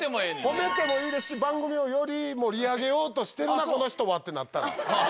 褒めてもいいですし「番組をより盛り上げようとしてるこの人は」ってなったら。